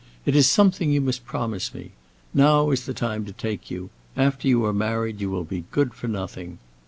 It is something you must promise me; now is the time to take you; after you are married you will be good for nothing.